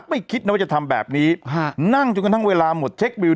คิดนะว่าจะทำแบบนี้ฮะนั่งจนกระทั่งเวลาหมดเช็ควิว